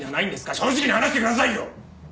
正直に話してくださいよ！